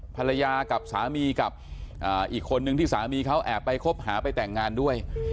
ภรรยากับสามีกับอีกคนนึงที่สามีเขาแอบไปคบหาไปแต่งงานด้วย